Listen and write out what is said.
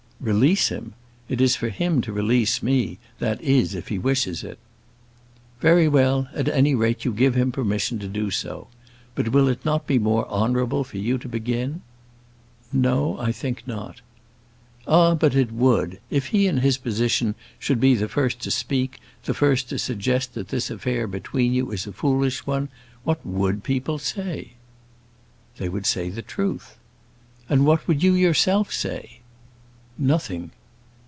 "Release him! It is for him to release me, that is, if he wishes it." "Very well; at any rate, you give him permission to do so. But will it not be more honourable for you to begin?" "No; I think not." "Ah, but it would. If he, in his position, should be the first to speak, the first to suggest that this affair between you is a foolish one, what would people say?" "They would say the truth." "And what would you yourself say?" "Nothing."